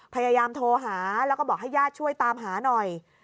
พยายามโทรหาแล้วก็บอกให้ญาติช่วยตามหาหน่อย